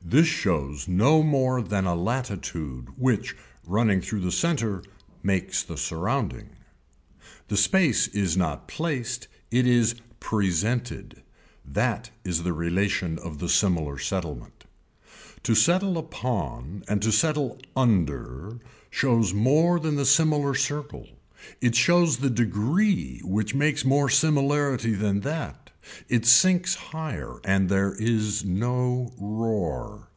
This shows no more than a latitude which running through the center makes the surrounding. The space is not placed, it is presented, that is the relation of the similar settlement. To settle upon and to settle under shows more than the similar circle it shows the degree which makes more similarity than that, it sinks higher and there is no roar.